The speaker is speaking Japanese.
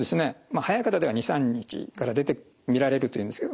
早い方では２３日見られるというんですけど